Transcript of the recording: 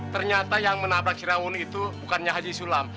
ternyata yang menabrak cirawun itu bukannya haji sulam